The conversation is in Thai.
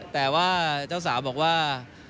แต่ว่าเจ้าสาวบอกว่า